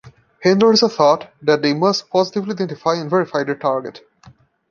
Handlers are taught that they must positively identify and verify their target.